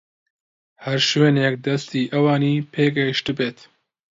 هەر شوێنێک دەستی ئەوانی پێگەیشتبێت